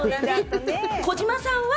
児嶋さんは？